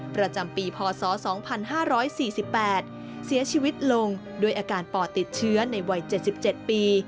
ประจำปีพศ๒๕๔๘เสียชีวิตลงด้วยอาการปอดติดเชื้อในวัย๗๗ปี